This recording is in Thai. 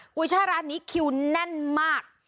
ช่าร้านนี้คิวแน่นมาก